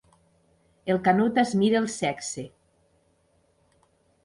El Canut es mira el sexe.